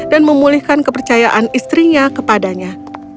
dan memulihkan kepercayaan istrinya kepadanya